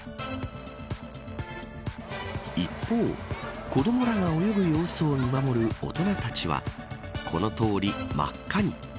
一方、子どもらが泳ぐ様子を見守る大人たちはこのとおり真っ赤に。